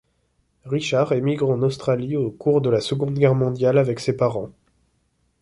Richard émigre en Australie au cours de la Seconde Guerre mondiale avec ses parents.